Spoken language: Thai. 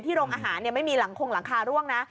โรงอาหารไม่มีหลังคงหลังคาร่วงนะ